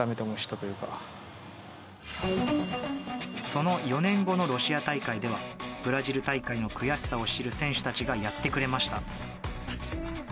その４年後のロシア大会ではブラジル大会の悔しさを知る選手たちがやってくれました。